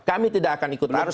kami tidak akan ikut arus